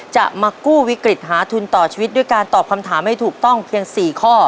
จะมากู้วิกฤตหาทุนต่อชีวิตด้วยการตอบคำถามให้ถูกต้องเพียง๔ข้อ